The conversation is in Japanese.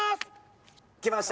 きました。